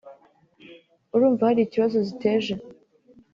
urumva hari ikibazo ziteje